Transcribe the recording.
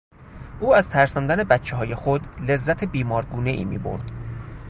او از ترساندن بچههای خود لذت بیمارگونهای میبرد.